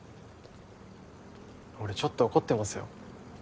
俺ちょっと怒ってますよ